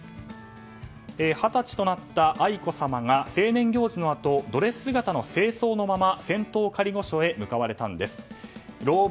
二十歳となった愛子さまが成年行事のあとドレス姿の正装のまま仙洞仮御所へ向かわれたんです。